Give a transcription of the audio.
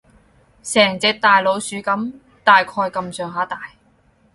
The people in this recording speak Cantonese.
成隻大老鼠噉，大概噉上下大